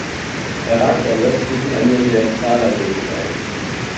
Er ragt am östlichen Ende der Thala Hills auf.